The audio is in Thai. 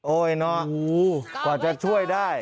เนาะกว่าจะช่วยได้